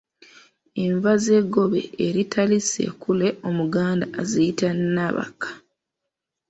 Enva z’eggobe eritali ssekule Omuganda aziyita Nabakka.